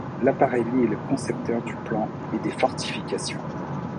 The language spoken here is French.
Laparelli est le concepteur du plan et des fortifications.